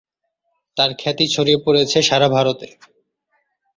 তার খ্যাতি ছড়িয়ে পড়ে সারা ভারতে।